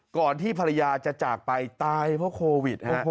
ก่อนที่ภรรยาจะจากไปตายเพราะโควิด